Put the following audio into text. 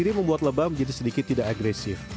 ini membuat lebah menjadi sedikit tidak agresif